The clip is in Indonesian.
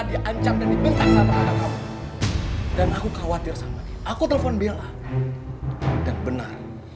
diancam dan diminta sama anak kamu dan aku khawatir sama dia aku telepon bilang dan benar